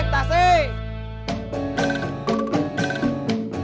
tasik tasik tasik